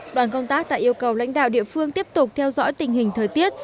đoàn công tác đã yêu cầu lãnh đạo địa phương tiếp tục theo dõi tình hình thời tiết